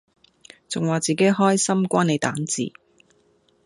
仲話自己開心關你蛋治